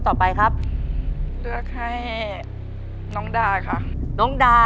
ตัวเลือกที่สอง๘คน